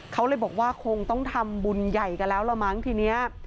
เขาเลยบอกว่าคงต้องทำบุญใหญ่กันแล้วละมั้งทีนี้